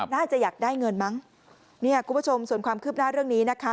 น่าจะอยากได้เงินมั้งเนี่ยคุณผู้ชมส่วนความคืบหน้าเรื่องนี้นะคะ